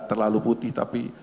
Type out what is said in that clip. terlalu putih tapi